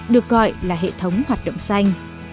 được gọi là hệ thống hoạt động xanh